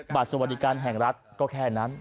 บัตรสวัสดิการแห่งรัฐก็แค่นั้น